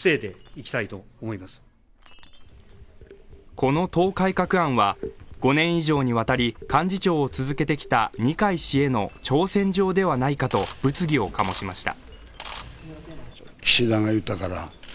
この党改革案は、５年以上にわたり幹事長を続けてきた二階氏への挑戦状ではないかと物議を醸しました。